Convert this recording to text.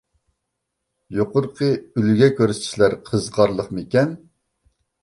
يۇقىرىقى ئۈلگە كۆرسىتىشلەر قىزىقارلىقمىكەن؟